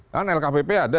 kan lkpp ada